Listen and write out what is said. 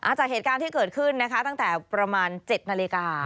จากเหตุการณ์ที่เกิดขึ้นนะคะตั้งแต่ประมาณ๗นาฬิกา